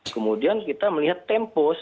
kemudian kita melihat tempos